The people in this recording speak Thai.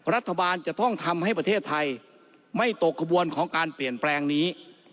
รัฐบาลจะต้องทำให้ประเทศไทยไม่ตกกระบวนของการเปลี่ยนแปลงนี้